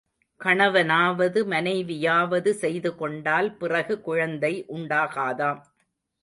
கணவனாவது மனைவியாவது செய்துகொண்டால் பிறகு குழந்தை உண்டாகாதாம்.